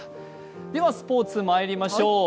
ではスポーツまいりましょう。